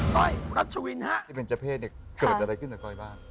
้อยรัชวินฮะที่เป็นเจ้าเพศเนี่ยเกิดอะไรขึ้นกับก้อยบ้าง